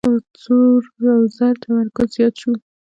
پر زور او زر تمرکز زیات شو.